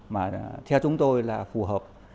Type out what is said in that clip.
mà theo chúng tôi là phù hợp